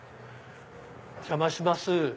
お邪魔します。